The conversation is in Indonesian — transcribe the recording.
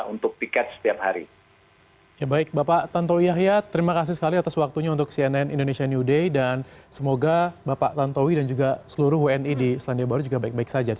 untuk tiket setiap hari